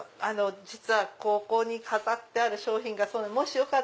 実はここに飾ってある商品がそうなんです。